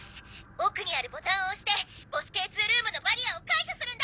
奥にあるボタンを押してボスＫー２ルームのバリアを解除するんだ！」